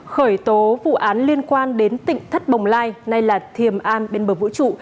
khởi tố vụ án liên quan đến tỉnh thất bồng lai nay là thiềm an bên bờ vũ trụ